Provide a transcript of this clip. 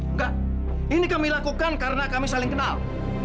enggak ini kami lakukan karena kami saling kenal